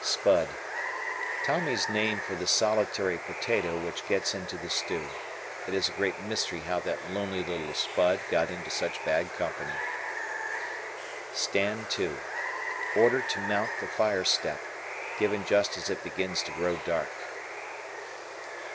"Spud." Tommy's name for the solitary potato which gets into the stew. It's a great mystery how that lonely little spud got into such bad company. Stand To. Order to mount the fire step. Given just as it begins to grow dark.